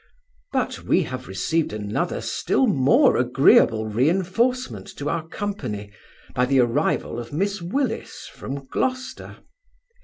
But, we have received another still more agreeable reinforcement to our company, by the arrival of Miss Willis from Gloucester.